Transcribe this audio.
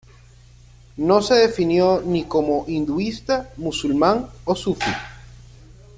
No se definió ni como hinduista, musulmán o sufi.